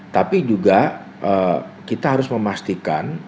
tapi juga kita harus memastikan